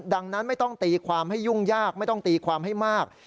ดังนั้นไม่ต้องตีความให้ยุ่งยากไม่ต้องตีความให้มาก